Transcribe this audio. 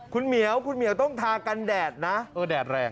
คุณเหมียวต้องทากันแดดนะ